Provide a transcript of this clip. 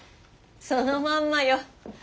そのまんまよ。